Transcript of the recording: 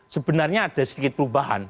sebenarnya ada sedikit perubahan